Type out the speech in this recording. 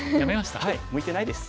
はい向いてないです。